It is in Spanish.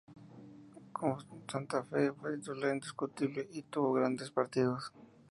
Con Santa Fe, fue titular indiscutible, y tuvo grandes partidos.